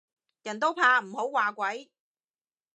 人都怕唔好話鬼